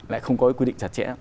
lại không có cái quy định chặt chẽ